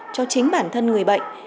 cho chính bản thân người bệnh